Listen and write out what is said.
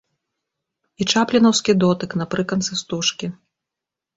І чаплінаўскі дотык напрыканцы стужкі.